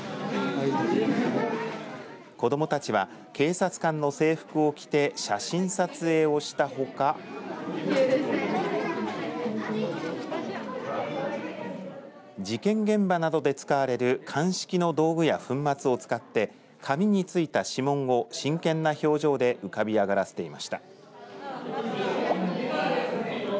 子どもたちは警察官の制服を着て写真撮影をしたほか事件現場などで使われる鑑識の道具や粉末を使って紙についた指紋を真剣な表情で浮かび上がらせていました。